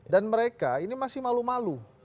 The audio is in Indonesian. dan mereka ini masih malu malu